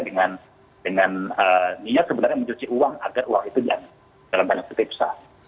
dengan niat sebenarnya mencuci uang agar uang itu jangan dalam hal yang ketipusah